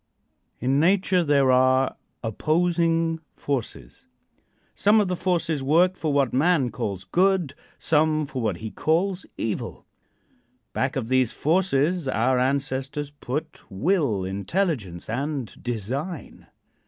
In nature there are opposing forces. Some of the forces work for what man calls good; some for what he calls evil. Back of these forces our ancestors put will, intelligence and design.